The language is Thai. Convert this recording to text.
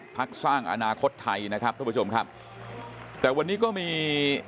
พักสร้างอนาคตไทยนะครับทุกผู้ชมครับแต่วันนี้ก็มี